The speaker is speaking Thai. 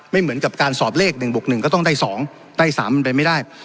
เหมือนกับการสอบเลข๑บวก๑ก็ต้องได้๒ได้๓มันไปไม่ได้